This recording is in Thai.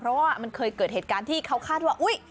เพราะว่ามันเคยเกิดเหตุการณ์ที่เขาคาดว่าอุ๊ย